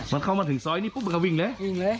มันเข้ามาถึงซ้อยนี้ปุ๊บก็วิ่งเลย